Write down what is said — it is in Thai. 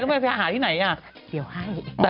ไม่รู้ไปหาที่ไหน